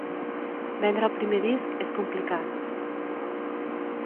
Vendre el primer disc és complicat.